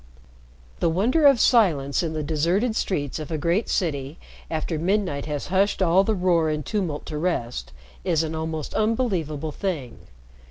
The wonder of silence in the deserted streets of a great city, after midnight has hushed all the roar and tumult to rest, is an almost unbelievable thing.